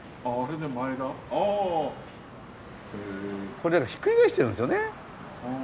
これだからひっくり返してるんですよね。